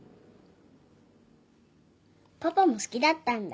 パパも好きだったんだ